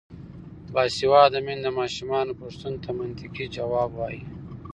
باسواده میندې د ماشومانو پوښتنو ته منطقي ځواب وايي.